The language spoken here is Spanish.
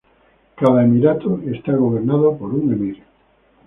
Cada emirato está gobernado por un emir.